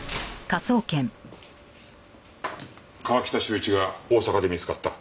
川喜多修一が大阪で見つかった。